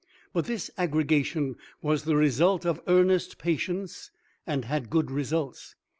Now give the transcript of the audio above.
But this aggregation was the result of earnest patience and had good results.